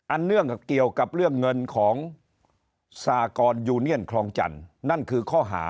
อันเนื่องเกี่ยวกับเรื่องเงินของสากรยูเนียนคลองจันทร์